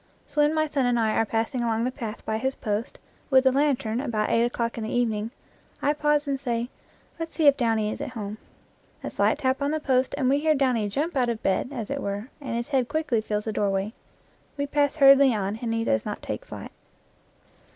So when my son and I are passing along the path by his post with a lantern about eight o'clock in the evening, I pause and say, "Let's see if Downy is at home." A slight tap on the post and we hear Downy jump out of bed, as it were, and his head quickly fills the doorway. We pass hurriedly on and he does not take flight.